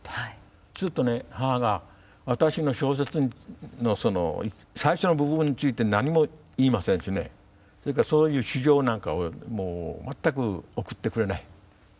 するとね母が私の小説の最初の部分について何も言いませんしねそれからそういう書状なんかを全く送ってくれない。